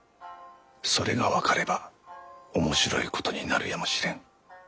それが分かれば面白いことになるやもしれん。